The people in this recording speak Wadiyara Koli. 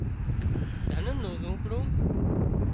ڌنَ نُو زونپڙون